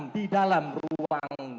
di dalam ruang